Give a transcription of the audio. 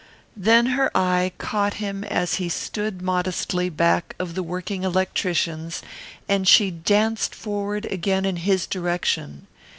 Then her eye caught him as he stood modestly back of the working electricians and she danced forward again in his direction.